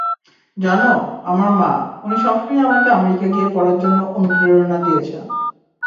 জানো, আমার মা, উনি সবসময়ই আমাকে আমেরিকা গিয়ে পড়ার জন্য অনুপ্রেরণা দিয়েছেন।